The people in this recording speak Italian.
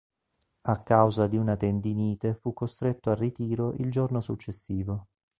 A causa di una tendinite fu costretto al ritiro il giorno successivo.